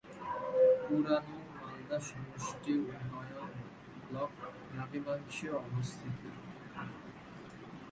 পুরানো মালদা সমষ্টি উন্নয়ন ব্লক দ্রাঘিমাংশে অবস্থিত।